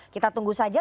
kita tunggu saja